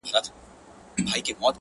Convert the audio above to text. راسه يوار راسه صرف يوه دانه خولگۍ راكړه,